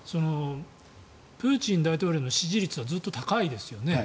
プーチン大統領の支持率はずっと高いですよね。